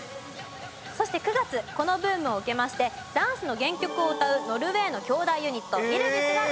そして９月このブームを受けましてダンスの原曲を歌うノルウェーの兄弟ユニットＹｌｖｉｓが来日。